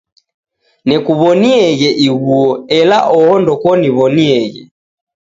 Nekuw'onieghe ighuo, ela oho ndekoniw'onieghe